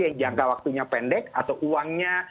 yang jangka waktunya pendek atau uangnya